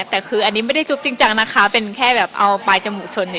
แต่คืออันนี้ไม่ได้จุ๊บจริงจังนะคะเป็นแค่แบบเอาปลายจมูกชน